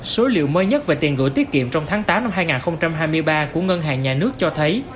số liệu mới nhất về tiền gửi tiết kiệm trong tháng tám năm hai nghìn hai mươi ba của ngân hàng nhà nước cho thấy